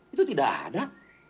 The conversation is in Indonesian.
itu tidak ada